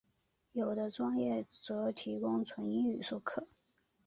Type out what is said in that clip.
有的专业则提供纯英语授课。